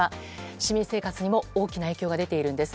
市民生活にも大きな影響が出ているんです。